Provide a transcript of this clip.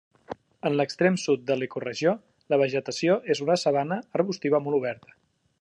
En l'extrem sud de l'ecoregió la vegetació és una sabana arbustiva molt oberta.